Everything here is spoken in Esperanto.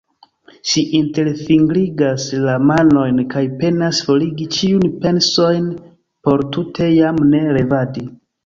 Ŝi interfingrigas la manojn kaj penas forigi ĉiujn pensojn por tute jam ne revadi.